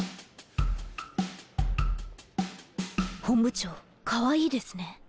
本部長かわいいですね。